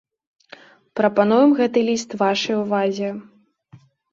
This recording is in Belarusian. Прапануем гэты ліст вашай увазе.